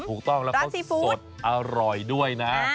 ถูกต้องแล้วเขาสดอร่อยด้วยนะ